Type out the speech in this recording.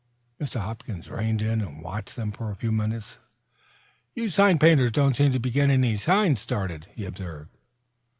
Mr. Hopkins reined in and watched them for a few moments. "You sign painters don't seem to be getting any signs started," he observed.